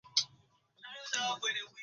Omusota be bw'ogusanga wa gubeera musota.